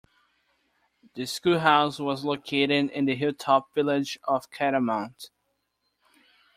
The schoolhouse was located in the hill-top village of Catamount.